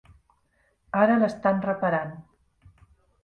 Ara l'estant reparant.